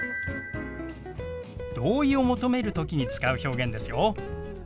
同意を求める時に使う表現ですよ。